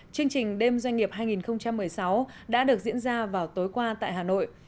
chương trình đêm doanh nghiệp hai nghìn một mươi sáu đã được diễn ra vào tối qua tại hà nội